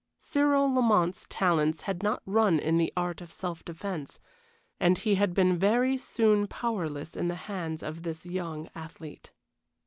Cyril Lamont's talents had not run in the art of self defence, and he had been very soon powerless in the hands of this young athlete.